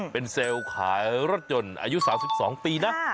เป็นเซลล์ขายรถยนต์อายุ๓๒ปีนะ